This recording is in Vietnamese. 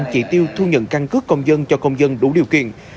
chỉ tiêu thu nhận căn cước công dân cho công dân đủ điều kiện